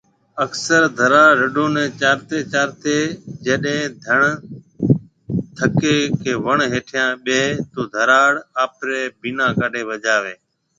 اڪثر ڌراڙ رڍون ني چارتي چارتي جڏي ڌڻ ٿڪي ڪي وڻ هيٺيا ٻيۿي تو ڌراڙ آپري بينا ڪاڍي بجاوي هي